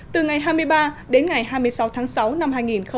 từ ngày hai mươi ba đến ngày hai mươi sáu tháng sáu năm hai nghìn một mươi bảy